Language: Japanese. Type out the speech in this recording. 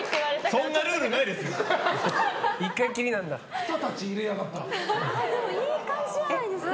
そんなルールないですよ。